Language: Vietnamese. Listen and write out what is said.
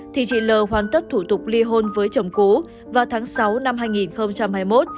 thì chị l hoàn tất thủ tục ly hôn với chồng cũ vào tháng sáu năm hai nghìn hai mươi một